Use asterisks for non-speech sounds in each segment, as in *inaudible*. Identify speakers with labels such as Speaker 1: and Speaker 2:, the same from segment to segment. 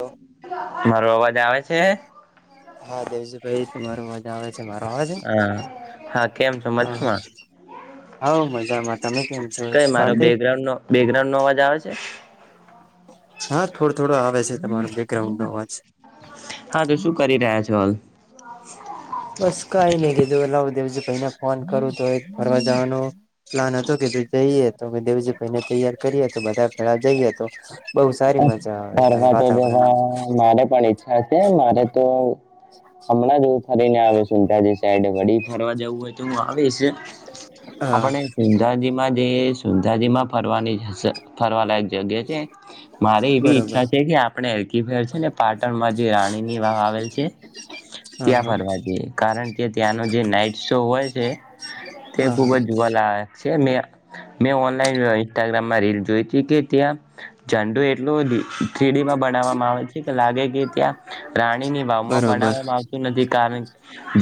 Speaker 1: હાલો
Speaker 2: મારો અવાજ આવે છે
Speaker 1: હા દેવજીભાઈ તમારો મજા આવે છે મારો અવાજ
Speaker 2: હા હા કેમ છો મજામાં
Speaker 1: હ હા મજા માટે
Speaker 2: કઈ મારો બેકગ્રાઉન્ડ નો બેકગ્રાઉન્ડ નો અવાજ આવે છે.
Speaker 1: હા થોડ થોડો આવે છે તમારો બેકગ્રાઉન્ડ નો અવાજ
Speaker 2: હા તો શું કરી રહ્યા છો હાલ *inaudible*
Speaker 1: બસ કાયને કીદું એટલે *unintelligible* ફોન કરું તો એક ફરવા જવાનું પ્લાન હતો કે જે જઈએ તો મે દેવજીભાયને તૈયાર કરીએ તો બધા ફેરા જઈએ તો બહુ સારી મજા આવે
Speaker 2: ફરવા તો
Speaker 1: વાતાવરણ
Speaker 2: જવા
Speaker 1: ની અંદર.
Speaker 2: મારે પણ ઈચ્છા છે મારે તો હમણાં જ હું ફરીને આવ્યો સુંદાજી સાઈડ વડી ફરવા જવું હોય તો આવીસ
Speaker 1: હા
Speaker 2: આપણે સુંંધાજીમાં જયે સુધાજીમાં ફરવાની ફરવાલાયક જગ્યા છે. મારે એવી
Speaker 1: બરોબર
Speaker 2: ઈચ્છા છે કે આપણે હલકી ફેર છે ને પાટણમાં જે રાણીની વાવ આવેલ છે
Speaker 1: હા
Speaker 2: ત્યાં
Speaker 1: હા
Speaker 2: ફરવા જઈએ કારણ કે ત્યાંનો જે નાઈટ શો હોય છે તે
Speaker 1: હા
Speaker 2: ખુબ
Speaker 1: હા
Speaker 2: જ જોવાલા કે મેં મેં ઓનલાઈન ઇન્સ્ટાગ્રામમાં રીલ જોઈ હતી કે ત્યાં ઝંડુ એટલું સીડીમાં બનાવવામાં આવે છે કે લાગે કે ત્યાં રાણીની વાવમાં
Speaker 1: બરોબર
Speaker 2: બનાવામાં આવતું નથી કારણ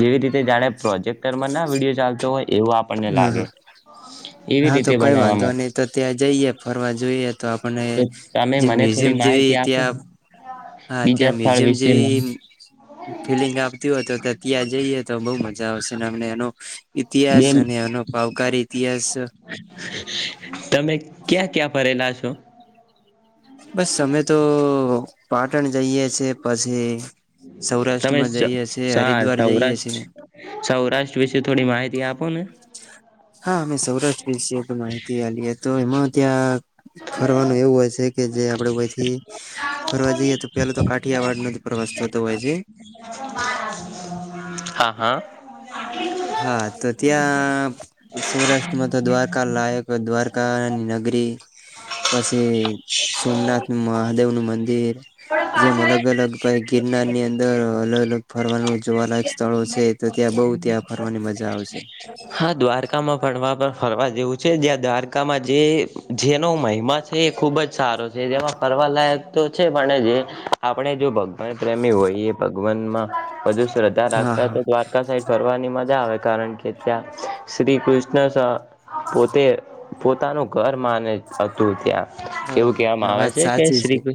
Speaker 2: જેવી રીતે જાણે પ્રોજેક્ટર માં ના વિડીયો ચાલતો હોય એવું આપણને
Speaker 1: હા
Speaker 2: લાગે
Speaker 1: હા
Speaker 2: એવી
Speaker 1: હા તો
Speaker 2: રીતે
Speaker 1: કઈ વાંધો
Speaker 2: બનાવવામાં
Speaker 1: નઈ તો ત્યાં જઈયે ફરવા જો બે તો આપણને
Speaker 2: તો તમે
Speaker 1: જે
Speaker 2: મને
Speaker 1: મ્યુઝિયમ
Speaker 2: થોડી
Speaker 1: જેવી
Speaker 2: માહિતી આપો
Speaker 1: ત્યા હા
Speaker 2: બીજા
Speaker 1: ત્યાં
Speaker 2: સ્થળ
Speaker 1: મ્યુઝિયમ જેવી
Speaker 2: વિશેમાં
Speaker 1: ફિલિંગ આપતી હો ત ત્યાં જઈએ તો બો મજા આવ છે ને એમને એનો
Speaker 2: બેન
Speaker 1: અને એનો પાવકારી ઇતિહાસ
Speaker 2: તમે ક્યાં ક્યાં ફરેલા છો.
Speaker 1: બસ અમે તો પાટણ જઈએ છેએ પછી.
Speaker 2: તમેા
Speaker 1: સૌરાષ્ટ્રમાં
Speaker 2: સો
Speaker 1: જઈએ છે હરિદ્વાર જઈએ છે
Speaker 2: સૌરાષ્ટ્ર સૌરાષ્ટ્ર વિશે થોડી માહિતી આપ. કોન‌હૈ
Speaker 1: હા અમે સૌરાષ્ટ્ર વિશે પણ માહિતીલીએ તો એમાં ત્યાં. ફરવાનું એવું હોય છે કે જે આપડે વથી ફરવા જઈએ તો પેલા તો કાઠિયાવાડ ન પ્રવાસ થતો હોય છે
Speaker 2: હા હા
Speaker 1: હા તો ત્યાં. સૌરાષ્ટ્રમાં તો દ્વારકા લાયક દ્વારકાની નગરી. પછી સોમનાથ મહાદેવ નું મંદિર જેમ અલગ અલગ પાઈ ગિરનાર ની અંદર. હ *unintelligible* *unintelligible* ફરવાનું જોવાલાયક સ્થળો છે તો ત્યાં બઉુ ત્યાં ફરવાની મજા આવશે.
Speaker 2: હા દ્વારકામાં ફરવા ફરવા જેવું છે જ્યાં દ્વારકામાં જે જેનો મહિમા છે એ ખૂબ જ સારો છે જેમાં ફરવાલાયક તો છે પણ જે આપણે જો ભગવાન પ્રેમી હોઈએ ભગવાનમાં. વધધુ શ્રદ્ધા
Speaker 1: હા
Speaker 2: રાખતા
Speaker 1: હા
Speaker 2: તો દ્વારકા સાહીઠ ફરવાની. મજા આવે કારણ કે ત્યાં શ્રી કૃષ્ણ. પોતે. પોતાનું ઘર માને હતું ત્યાં. એવું કહેવામાં
Speaker 1: બરોબર
Speaker 2: આવે
Speaker 1: વાત
Speaker 2: છે કે
Speaker 1: સાચી છે
Speaker 2: શ્રી ક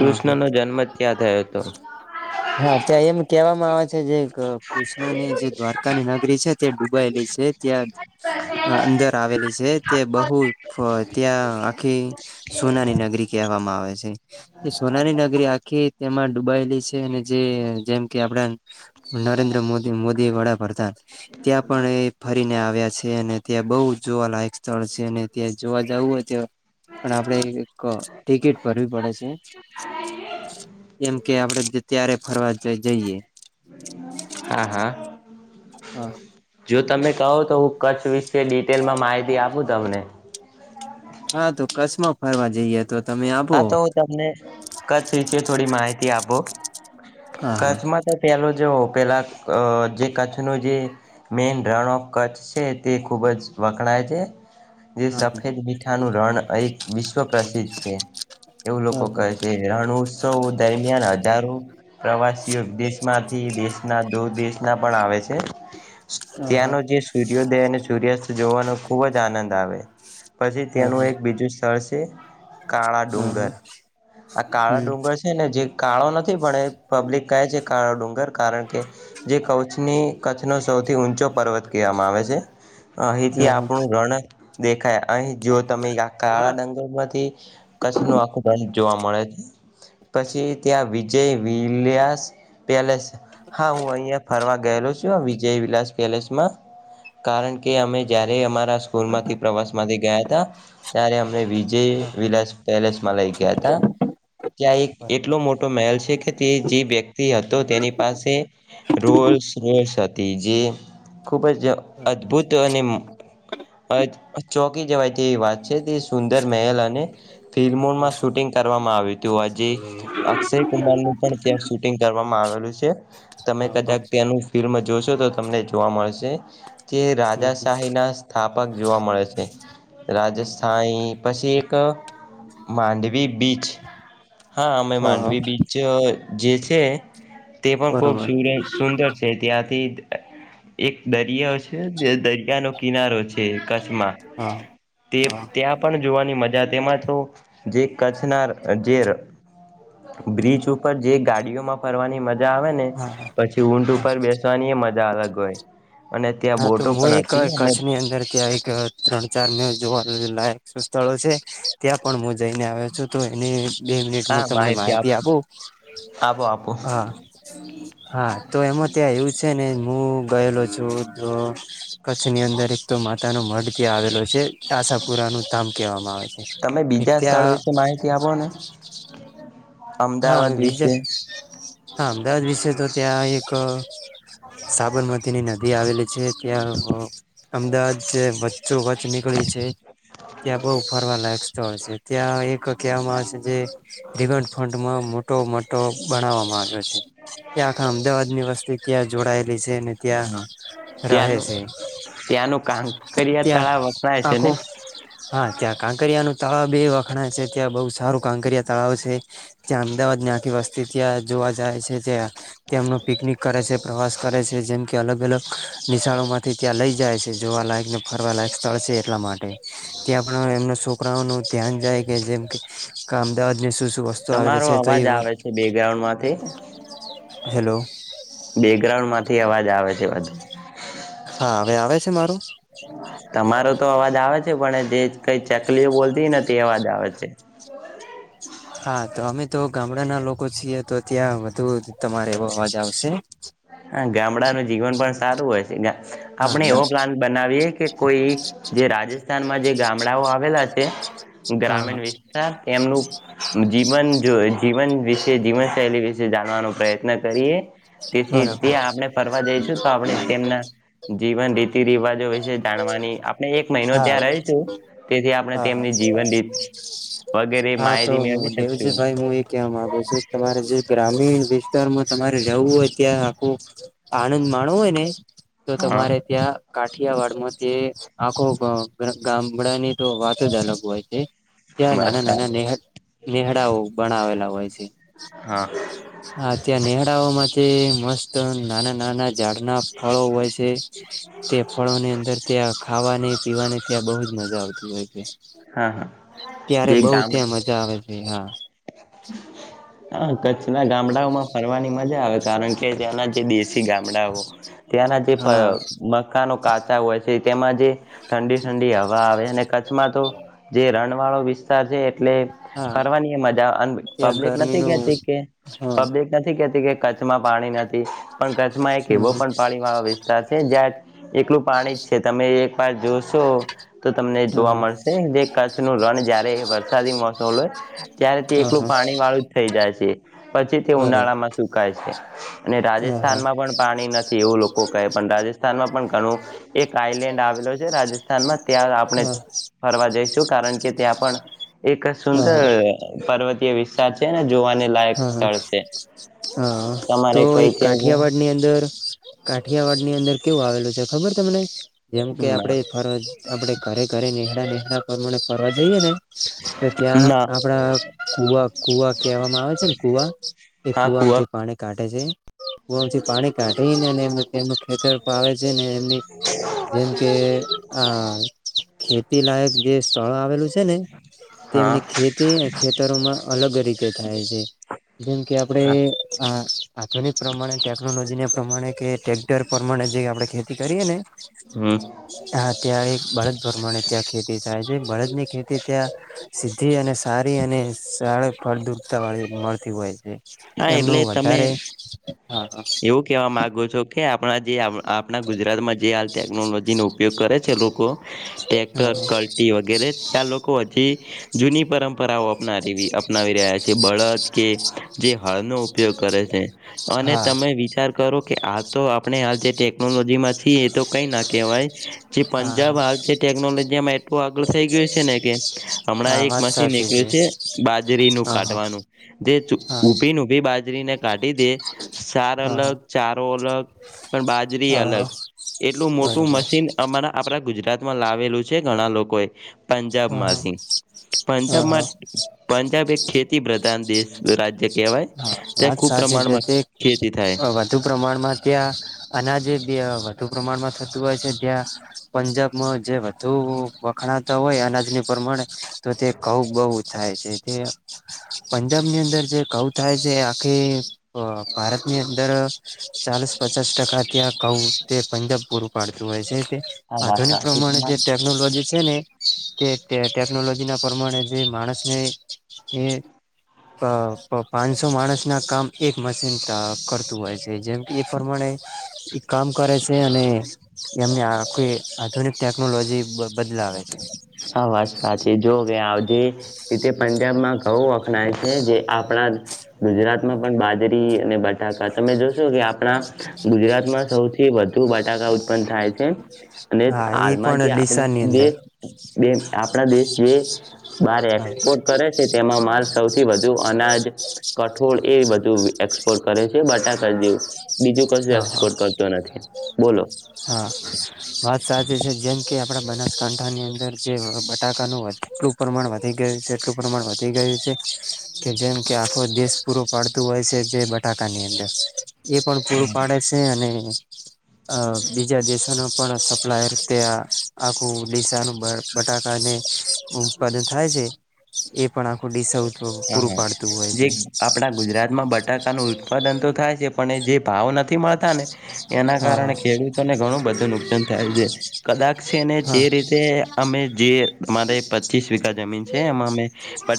Speaker 1: હા હા
Speaker 2: નો જન્મ ત્યાં થયો હતો.
Speaker 1: હા ત્યાં એમ કહેવામાં આવે છે જે. કૃષ્ણની જે દ્વારકાની નગરી છે તે ડૂબાયેલી છે ત્યાં અંદર આવેલી છે તે બહુ ત્યાં. કે સોનાની નગરી કહેવામાં આવે છે સોનાની નગરી આખી તેમાં. દુબઈ લઈ. અને જે જેમ કે આપડા નરેન્દ્ર મોદી મોદી. *inaudible* *inaudible* ત્યાં પણ એ ફરીને આવ્યા છે અને. ત્યાં બહુ જોવાલાયક સ્થળ છે અને ત્યાં જોવા જાવુ હોય ત્યાં પણ આપણેે એક ટિકિટ ભરવી પડે છે જેમ કે આપણેે ત્યારે ફરવા જઈએ.
Speaker 2: હા હા
Speaker 1: હા.
Speaker 2: જો તમે કહો તો હું કચ્છ વિશે ડિટેલમાં માહિતી આપું તમને.
Speaker 1: હા તો કચ્છમાં ફરવા જઈએ તો. તમે આપો
Speaker 2: હા તો હું તમને કચ્છ વિશે થોડી માહિતી આપું
Speaker 1: હા હા
Speaker 2: કચ્છમાં તો પેલો જો પેલાં અ જે કચ્છનો જે મેન રન ઓફ કચ્છ છે તે ખૂબ જ વખણાય છે. જે સફેદ મીઠાનું રણ એક વિશ્વ પ્રસિદ્ધ છે. એવું
Speaker 1: હા
Speaker 2: લોકો
Speaker 1: હા
Speaker 2: કહે છે રણ ઉત્સવ દરમિયાન હજારો પ્રવાસીઓ વિદેશમાંથી દેશના દો દેશ ના પણ આવે છે.
Speaker 1: હા હા
Speaker 2: ત્યાંનો જે સૂર્યોદય અને સૂર્યાસ્ત જોવાનો ખુબ જ આનંદ આવે પછી
Speaker 1: હા હા
Speaker 2: ત્યાંનું એક બીજું સ્થળ છે. કાળા
Speaker 1: હા હા
Speaker 2: ડુંગર
Speaker 1: હા
Speaker 2: આ કાળા
Speaker 1: હમ
Speaker 2: ડુંગર છે ને જે કાળો નથી પણ એ પબ્લિક કહે છે. કાળ ડુંગર કારણ કે જે કચ્છની કચ્છનો સૌથી ઊંચો પર્વત કહેવામાં આવે છે. અહીથી
Speaker 1: હા હા
Speaker 2: આપણું રણ દેખાય અહી જો તમે આ કાળા ડંગલમાંથી કચ્છનો આખો બંધ જોવા મળે છે પછી ત્યાં વિજય વિલાસ પેલેસ હા હું અહીંયા ફરવા ગયેલો છું વિજય વિલાસ પેલેસમાં કારણ કે અમે જ્યારે રે અમારા સ્કૂલમાંથી પ્રવાસમાંથી ગયા હતા ત્યારે અમને વીજ જે
Speaker 1: હા હા હા
Speaker 2: વિલાસ પેલેસમાં લઈ ગયા હતા ત્યાં એક એટલો મોટો મહેલ છે કે તે જે વ્યક્તિ હતો તેની પાસે રોલ્સ રોલ્સ હતી જે ખૂબ જ અદ્ભુત અને અ ચોકી જવાય તેવી વાત છે તે સુંદર મહેલ અને ફિલ્મોમાં શૂટિંગ કરવામાં આવ્યું હતું હજી અક્ષય કુમારનું પણ ત્યા શૂટિંગ કરવામાં આવેલું છે તમે
Speaker 1: હા હા
Speaker 2: કદાચ ત્યાનું ફિલ્મ જોશો તો તમને જોવા મળશે. જે રાજાશાહી ના સ્થાપક જોવા મળે છે રાજશાહી પછી એક માંડવી બીચ હા અમે માંડવી બીચ જે છે તે પણ ખૂબ
Speaker 1: બરોબર
Speaker 2: સરજ સુંદર છે ત્યાંથી એક દરિયા છે દરિયાનો કિનારો છે. ચ્છમાં
Speaker 1: હા
Speaker 2: તે
Speaker 1: હા
Speaker 2: ત્યા પણ જોવાની મ જા તેમાં તો જે કચ્છના જે બ્રિજ ઉપર જે ગાડીઓમાં ફરવાની મ જા આવે ને
Speaker 1: હા
Speaker 2: પછી ઊંટ
Speaker 1: હા
Speaker 2: ઉપર બેસવાની એ મજા જા અલગ હોય અને ત્યાં
Speaker 1: હા તો
Speaker 2: બોટો
Speaker 1: હું
Speaker 2: પણ
Speaker 1: એક
Speaker 2: હતી અમે
Speaker 1: કચ્છની અંદર ક્યાં એક ત્રણ ચાર મે જોવા લાયક સ્થળો છે ત્યાં પણ હું જઈને આવ્યો છું તો એની બે મિનિટ હું
Speaker 2: હા
Speaker 1: તમને માહિતી
Speaker 2: આપશું
Speaker 1: આપું
Speaker 2: આપો આપો
Speaker 1: હા હા તો એમાં ત્યાં એવું છે ને હું ગયેલો છું તો કચ્છની અંદર એક તો માંતાનો મઢ ત્યાં આવેલો છે આશપુરાનું તામ કેવા માં આવે છે
Speaker 2: તમે
Speaker 1: એક
Speaker 2: બીજા સ્થળ
Speaker 1: ત્યાં
Speaker 2: વિશે માહિતી આપો ને અમદાવાદ વિશે
Speaker 1: વાદ વિષ તો ત્યા એક સાબરમતી ની ન દી આવેલી છે ત્યાં અ અમદાવાદ જે પ *unintelligible* નીકળી છે ત્યાં બહુ ફરવા લાયક છે ત્યાં એક કેવામાં આવે છે *unintelligible* માં મોટો મટો બનાવવામાં આવે છે કે આખા અમદાવાદ ની વસ્તી ત્યા જોડાય બી જે ને
Speaker 2: હા
Speaker 1: ત્યાં રહે
Speaker 2: ત્યાંનું
Speaker 1: છે
Speaker 2: ત્યાંનું કાંકરિયા
Speaker 1: ત્યાં
Speaker 2: તળાવ વખણાય છે ને
Speaker 1: આખું હા ત્યાં કાંકરિયા નું તળાવ બે વખ ખણા જગ્યા બહુ સારું કાંકરિયા તળાવ છે ત્યાં અમદાવાદ ની આખી વસ્તી ત્યાં જોવા જાય *unintelligible* ત્યા તેમનુ પિકનિક કરે છે પ્રવાસ કરે છે જેમ કે અલગ અલગ નિશાળોમાંથી ત્યાં લઈ જાય છે જોવાલાયક ને ફરવાલાયક સ્થળ છે એટલા માટે ત્યાં પણ એમનો શો છોકરાઓનું ધ્યાન જાય કે જેમ કે કામદાવાદ નુ શુ શુ
Speaker 2: તમારો અવાજ આવે છે બેગ્રાઉન્ડમાંથી
Speaker 1: હેલો
Speaker 2: બેકગ્રાઉન્ડ માંથી અવાજ આ આવે છે બધું
Speaker 1: હા હવે આવે છે મારું.
Speaker 2: તમારો તો અવાજ આવે જ. પણ જે કઈ ચકલીઓ બોલતી ને તે અવાજ આવે છે.
Speaker 1: હા તો અમે તો ગામડાના લોકો છીએ તો ત્યાં વધુ તમારે એવો અવાજ આવશે
Speaker 2: હા ગામડાનું જીવન પણ સારું હોય છે.
Speaker 1: હા
Speaker 2: આપણે
Speaker 1: હા
Speaker 2: એવો પ્લાન બનાવીએ કે કોઈ જે રાજસ્થાનમાં જે ગામડાઓ આવેલા છે
Speaker 1: હા
Speaker 2: ગ્રામીણ વિસ્તાર એનું જીવન જો જીવન વિશે જીવનશૈલી વિશે જાણવાનો પ્રયત્ન ના કરીએ તેથી
Speaker 1: બરોબર
Speaker 2: જે
Speaker 1: હા
Speaker 2: આપણે ફરવા જઈશું તો આપણે તેમના જીવન રીતિ રિવાજો વિશે જાણવાની એક મહિનો
Speaker 1: હા
Speaker 2: ત્યાં રહીશું તેથી આપણે
Speaker 1: હા
Speaker 2: તેમની જીવન રીત વગેરે
Speaker 1: હા તો
Speaker 2: માહિતી મેળવી શકશું
Speaker 1: દેવજીભાઈ હું એ કેવા માગુ છું તમારે જે ગ્રામીણ વિ વિસ્તારમાં તમારે રહેવું હોય ત્યાં આખો આનંદ માણવો હોયને તો
Speaker 2: હા
Speaker 1: તમારે ત્યાં કાઠિયાવાડમાં તે હા કો ગામડાની તો વાત જ અલગ હોય છે. ત્યાં
Speaker 2: વાત
Speaker 1: નાના નાના
Speaker 2: સારી.
Speaker 1: ને નેહડાઓ બનાવેલા હોય છે.
Speaker 2: હા
Speaker 1: હ ત્યાં નેહડાઓ માંથી મસ્ત નાના નાના ઝાડના ફળો હોય છે તે ફળોની અંદર ત્યાં ખાવાની પીવાની ત્યાં બહુ જ મજા આવતી હોય
Speaker 2: હા હા
Speaker 1: ત્યારે
Speaker 2: જે
Speaker 1: બહ
Speaker 2: ગામડા
Speaker 1: ત્યાં મજા આવે છે હા
Speaker 2: હા ક કચ્છના ગામડાઓમાં ફરવાની મજા આવે કારણ કે ત્યાંના કે દેશી ગામડાઓ ત્યાંના જે
Speaker 1: હા
Speaker 2: મકાનો કાચા હોય તેમાં જે ઠંડી ઠંડી હવા આવે અને જે રણવાળો વિસ્તાર છે એ એટલે
Speaker 1: હા
Speaker 2: ફરવાની એ મજા
Speaker 1: ત્યાં
Speaker 2: પબ્લિક નથી
Speaker 1: ગરમીનું
Speaker 2: કેતી કે
Speaker 1: હા
Speaker 2: પબ્લિક નથી કેતી કે કચ્છમાં પાણી નથી પણ કચ્છમાં એક એવો
Speaker 1: હમ
Speaker 2: પણ પાણી વાળો વિસ્તાર છે જ્યાં એકલું પાણી જ છે તમે એક વાર જોશો તો તમને જોવા
Speaker 1: હમ
Speaker 2: મળશે જે કચ્છનું રણ જયારે વરસાદી મોસમ લય ત્યારે તે
Speaker 1: હા
Speaker 2: એકલું
Speaker 1: હા
Speaker 2: પાણી વાળું જ થઈ જાય છે પછી તે
Speaker 1: બરોબર
Speaker 2: ઉનાળામાં સુકાય છે અને
Speaker 1: હા હા
Speaker 2: રાજસ્થાનમાં પણ પાણી નથી એવું લોકો કહે પણ રાજસ્થ માં પણ ગણું એક આઈલેન્ડ આવેલો છે રાજસ્થાનમાં ત્યાં આપણે
Speaker 1: હા
Speaker 2: ફરવા જઈશ શું કારણ કે ત્યાં પણ એક સુુંદર
Speaker 1: હા
Speaker 2: પર્વત વિશ્વા છે છે ને જોવાની લાયક
Speaker 1: હા હા
Speaker 2: સ્થળ છે
Speaker 1: હા
Speaker 2: તમારે કઈ કેવું
Speaker 1: કાઠીયાવાડ ની અંદર કેવું આવેલું છે ખબર તમને જેમ કે આપડે
Speaker 2: ના
Speaker 1: ફરજ આપડે ઘરે ઘરે નહેહરા નનેહરા પર ફરવા જઈએ ને તો ત્યાં
Speaker 2: ના
Speaker 1: આપડા કુવા કુવા કહેવામાં આવે છે ને કુવા એ કુવા થી પાણી કાઢ અટ છે *inaudible* હું આમથી પાણી કાઢીને એમનું ખેતર વાવે છે ને એમની જેમ કે આ ખેતી લાયક જે સ્થળ આવેલું છે તે ને
Speaker 2: હા
Speaker 1: તેમમની ખેતી ખેતરોમાં અલગ રીત કે થાય છે જેમ કે આપડે
Speaker 2: હા
Speaker 1: આ આધુનિક પ્રમાણે ટેકનોલોજીને પ્રમાણે કે ટટેક્ટર પ્રમાણે જે આપણે ખેતી કરીએ ને
Speaker 2: હમ
Speaker 1: હા ત્યારે એક બળદ પ્રમાણે ત્યાં ખેતી થાય છે બળદની ખેતી ત્યાં સીધી અને સારી અને સાર ફળ દૂરતા વાળી મળતી હોય છે
Speaker 2: હા એટલે
Speaker 1: એમનું
Speaker 2: તમે
Speaker 1: વધારે હા હા
Speaker 2: એવું કેવા માંગો છો કે આપણા જે આ આપણા ગુજરાતમાં જે હાલ ટેકનોલોજી નો ઉપયોગ કરે છે ઓ ટેક્ટર કલટી વગેરે ત્યાં લોકો હજી જૂની પરંપરાઓ અપનાવી અપનાવી રહ્યા છે બળદ કે જે હળ નો ઉપયોગ કરે છે અને
Speaker 1: હા
Speaker 2: તમે વિચાર કરો કે આ તો આપણે આ જે ટેકનોલોજી જે માંથી એ તો કઈ ના કવાય જે
Speaker 1: હા
Speaker 2: પંજાબ હાલ જે ટેકનોલોજીમાં આગળ થઈ ગયું છે ને કે હમણાં
Speaker 1: હા
Speaker 2: એક
Speaker 1: વાત
Speaker 2: મશીન
Speaker 1: સાચી
Speaker 2: નીકળ્યું છે બાજરીનું
Speaker 1: હા હા
Speaker 2: કાઢવાનું જે
Speaker 1: હા
Speaker 2: ઉભી ઉભી બાજરી જરીને કાઢી દે સાર
Speaker 1: હા હા
Speaker 2: અલગ ચારો અલગ પણ બાજરી
Speaker 1: હા
Speaker 2: અલગ એટલું મોટું
Speaker 1: બરોબર
Speaker 2: મશીન અમારા આપણા ગુજરાત માં લાવેલું છે ઘણા લોકો એ
Speaker 1: હા હા
Speaker 2: પંજાબમાંથી પંજાબમાં
Speaker 1: હા
Speaker 2: પંજાબ એક ખેતી દેશ રાજ્ય કહેવાય
Speaker 1: હા
Speaker 2: તે
Speaker 1: વાત
Speaker 2: ખુબ
Speaker 1: સાચી છે
Speaker 2: પ્રમાણમાં
Speaker 1: તે
Speaker 2: ખેતી થાય
Speaker 1: વધુ પ્રમાણમાં ત્યાં અનાજે બે વધુ પ્રમાણમાં થતું હોય છે જ્યાં પંજાબમાં જે વધુ વખણાતા હોય અનાજની પ્રમાણે તો તે ઘઉ બહુ થાય છે તે પંજાબની અંદર જે કઉ થાય છે આખી અ ભારતની અંદર ચાલીસ પચાસ ટકા ત્યાં ધઉ તે પંજાબ પૂરું પાડતું હોય છે તે
Speaker 2: આ વાત
Speaker 1: આધુનિક
Speaker 2: સાચી
Speaker 1: પ્રમાણે જે
Speaker 2: તમારી
Speaker 1: ટેકનોલોજી એને તે ટે ટેકનોલોજીના પ્રમાણે જે માણસને એ પ પણ પાંચસો માણસના કામ એક મશીન કરતું હોય છે જેમ કે એ પ્રમાણે એ કામ કરે છે અને એમને આખી આધુનિક ટેકનોલોજી બદલાવે છે
Speaker 2: હા વાત સાચી જો વે આ જે રીતે પંજાબમાં ઘઉ વખણાય છે જે આપણા ગુજરાતમાં પણ બાજરી અને બટકા તમે જોશો કે આપણા ગુજરાતમાં સૌથી વધુ બટાકા ઉત્પન્ન થાય છે અને
Speaker 1: હા એ
Speaker 2: હાલમાં જે
Speaker 1: પણ
Speaker 2: આપણે
Speaker 1: ડીસાની અંદર
Speaker 2: દેશ બે આપણા દેશ જે બાર
Speaker 1: હા
Speaker 2: એક્સપોર્ટ કરે છે તેમાં માલ સૌથી વધુ અનાજ કઠોળ એ બ ક *unintelligible* એસપોર્ટ કરે છે બટાકા જેવું બીજું કશું
Speaker 1: હા
Speaker 2: એક્સપોર્ટ કરતો નથી. બોલો
Speaker 1: હા વાત સાચી છે જેમ કે આપડા બનાસકાંઠાની અંદર જે બટાકાનું એટલું પ્રમાણ વધી ગયું છે એટલું પ્રમાણ વધી ગયું છે કે જેમ કે આખો દેશ પૂરો પાડતું હોય છે જે બટાકાની અંદર એ પણ પૂરું
Speaker 2: હમ
Speaker 1: પાડે છે અને *inaudible* બીજા દેશ પણ સપ્લાયર તેયાં આખું દેશાનું બટાકાને ઉત્પાદન થાય છે એ પણ આ ખુડી સૌ
Speaker 2: હા હા જે આપડા ગુજરાતમાં બટાકાનું ઉત્પાદન તો થાય છે. પણ જે ભાવ ન થી મળતા ને એના
Speaker 1: હા હા
Speaker 2: કારણે ખેડૂતોને ઘણું બધું નુકસાન થાય છે કદાચ છે ને જે
Speaker 1: હા
Speaker 2: રીતે અમે જે અમારે પચીસ વીઘા જમીન છે એમાં અમે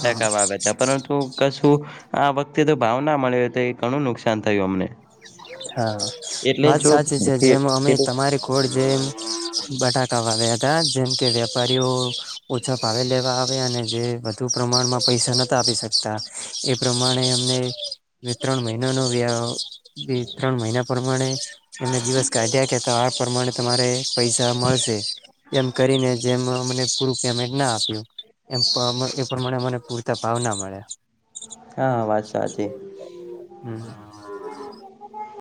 Speaker 1: હા
Speaker 2: વાવે પરંતુ કશું આ વખતે તો ભાવ ના મળ્યો તો એ ઘણું નુકસાન થયું અમને
Speaker 1: હા
Speaker 2: એટલે
Speaker 1: વાત
Speaker 2: જો
Speaker 1: સાચી છે
Speaker 2: ખે
Speaker 1: જેમ અમે
Speaker 2: ખેડૂત
Speaker 1: તમારી કોડ જેમ બટાકા વાવ્યા હતા જેમ કે વેપારીઓ ઓછા ભાવે લેવા આવ્યા અને જે વધુ પ્રમાણમાં પૈસા નતા આપી શકતા એ પ્રમાણે એમને ત્રણ મહિનાનો વ્ય બે ત્રણ મહિના પ્રમાણે એમને દિવસ કાઢ્યા કે તો આ પ્રમાણે તમારે પૈસા મળશે એમ કરીને જેમ અમને પૂરું પેમેન્ટ ના આપ્યું એ એ પ્રમાણેને પૂર ભાવ ના મળ્યા
Speaker 2: હા હા વાત સાા છે
Speaker 1: *inaudible*